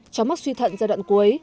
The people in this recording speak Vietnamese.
trong mắc suy thận giai đoạn cuối